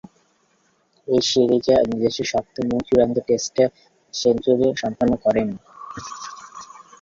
ঐ সিরিজে নিজস্ব সপ্তম ও চূড়ান্ত টেস্ট সেঞ্চুরি সম্পন্ন করেন।